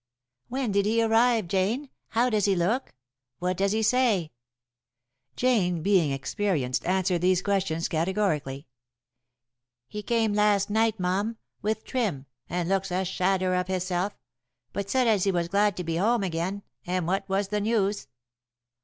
"When did he arrive, Jane? How does he look? What does he say?" Jane, being experienced, answered these questions categorically. "He came last night, mum, with Trim, and looks a shadder of hisself, but said as he was glad to be home again, and what was the news."